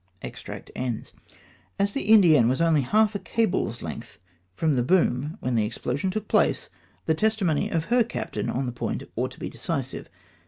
As the Indienne was only half a cable's length from the boom when the explosion took place, the testimony of her captain on this point ought to be decisive.